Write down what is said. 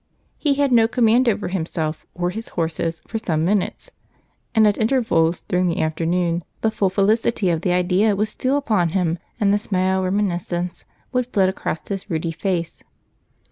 He had no command over himself or his horses for some minutes; and at intervals during the afternoon the full felicity of the idea would steal upon him, and the smile of reminiscence would flit across his ruddy face.